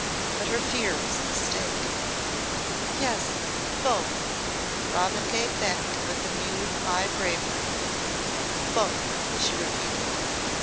But her fear was a mistake. "Yes both," Robin gave back with a new high bravery. "Both," she repeated.